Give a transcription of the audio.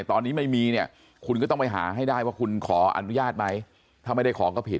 ตอนนี้ไม่มีเนี่ยคุณก็ต้องไปหาให้ได้ว่าคุณขออนุญาตไหมถ้าไม่ได้ของก็ผิด